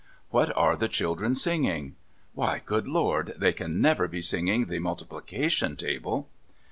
What are the children singing ? AVhy, good Lord, they can never be singing the multiplication table